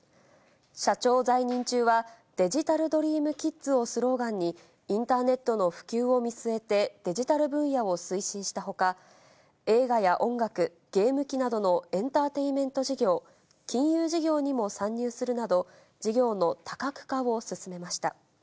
社長在任中は、デジタル・ドリーム・キッズをスローガンに、インターネットの普及を見据えて、デジタル分野を推進したほか、映画や音楽、ゲーム機などのエンターテインメント事業、金融事業にも参入するなど、事業の多角化を進めました。